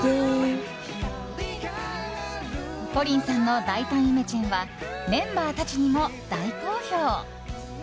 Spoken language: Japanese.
ＰＯＲＩＮさんの大胆イメチェンはメンバーたちにも大好評。